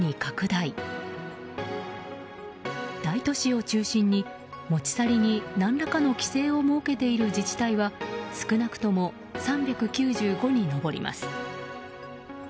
大都市を中心に持ち去りに何らかの規制を設けている自治体は少なくとも３９５に上ります。